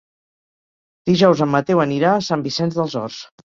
Dijous en Mateu anirà a Sant Vicenç dels Horts.